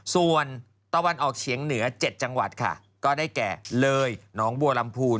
ส่วนตะวันออกเฉียงเหนือ๗จังหวัดค่ะก็ได้แก่เลยหนองบัวลำพูน